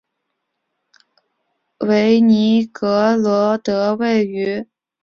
韦尼格罗德处于欧洲中部的温带气候区。